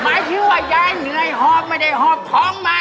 หมายถึงว่ายายเหนื่อยหอบไม่ได้หอบท้องมา